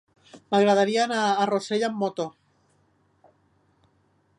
M'agradaria anar a Rossell amb moto.